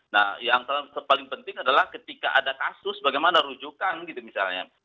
nah yang paling penting adalah ketika ada kasus bagaimana rujukan gitu misalnya